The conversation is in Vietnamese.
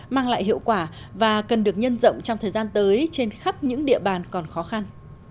mang lại hiệu quả và cần được nhân rộng trong thời gian tới trên khắp những địa bàn còn khó khăn